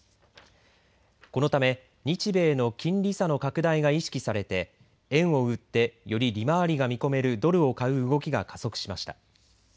このため、日米の金利差の拡大が意識されて円を売ってより利回りが見込めるドルを買う動きが加速しました。